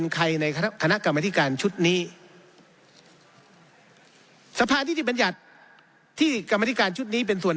คณะกรรมนิการกฎหมายกระบวนการยุทธิธรรมและกิจการตำรวจ